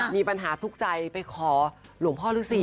มีปัญหาทุกใจไปขอหลวงพ่อรึสิ